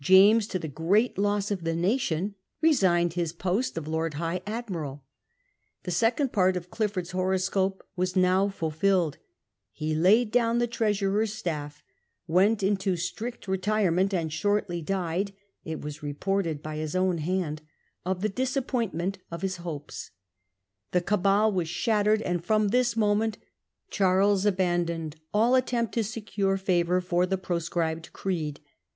James, to the great loss of the nation, resigned his post of Lord High" Admiral. The second part of Clifford's horoscope was now fulfilled. Pie laid down the Treasurer's staff, went into strict retirement, and shortly died — it was reported by his own hand— of the disappointment of his hopes. The Cabal was shattered, and from this moment Charles abandoned all attempt to secure favour for the proscribed creed.